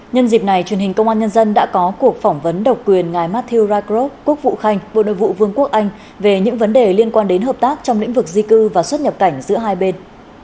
nhân dịp này truyền hình công an nhân dân đã có cuộc phỏng vấn độc quyền ngài matthew raicrov quốc vụ khanh bộ nội vụ vương quốc anh về những vấn đề liên quan đến hợp tác trong lĩnh vực di cư và xuất nhập cảnh giữa hai bên